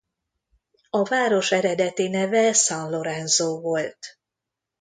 A város eredeti neve San Lorenzo volt.